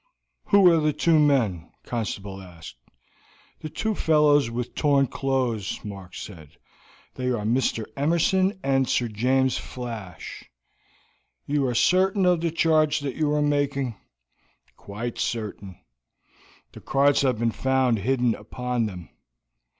"Who are the two men?" the constable asked. "The two fellows with torn clothes," Mark said. "They are Mr. Emerson and Sir James Flash." "You are certain of the charge that you are making?" "Quite certain; the cards have been found hidden upon them."